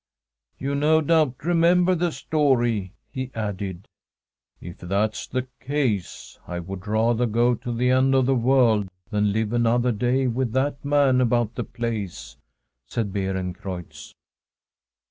' You no doubt remember the story ?' he added. ' If that's the case, I would rather go to the end of the world than live another day with that man about the place,' said Beerencreutz.